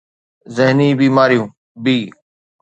ذهني بيماريون b